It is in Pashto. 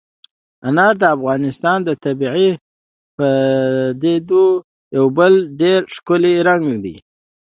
انار د افغانستان د طبیعي پدیدو یو بل ډېر ښکلی رنګ دی.